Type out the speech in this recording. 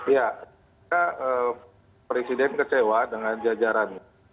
ya presiden kecewa dengan jajaran